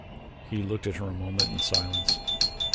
He looked at her a moment in silence.